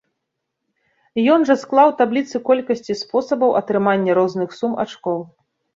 Ён жа склаў табліцы колькасці спосабаў атрымання розных сум ачкоў.